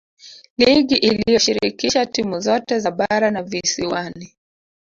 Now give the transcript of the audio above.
ligi iliyoshirikisha timu zote za bara na visiwani